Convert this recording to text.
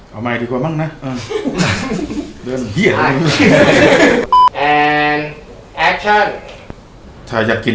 เอาใหม่ดีกว่าบ้างนะเออเดินแบบเหี้ยแล้วแอคชั่นถ้าอยากกิน